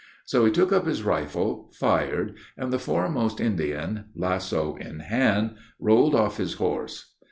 So he took up his rifle, fired, and the foremost Indian, lasso in hand, rolled off his horse.